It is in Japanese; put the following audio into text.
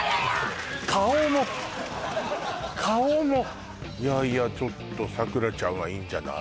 顔も顔もいやいやちょっとさくらちゃんはいいんじゃない？